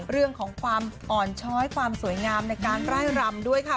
เรื่องของความอ่อนช้อยความสวยงามในการไล่รำด้วยค่ะ